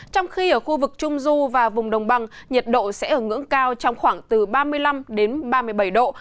trong khi ở khu vực trung du và vùng đồng bằng nhiệt độ sẽ ở ngưỡng cao trong khoảng từ ba mươi năm đến ba mươi bảy độ